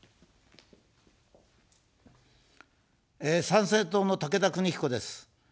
参政党の武田邦彦です。